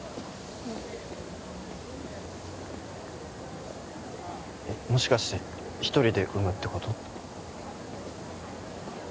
ううんもしかして一人で産むってこと？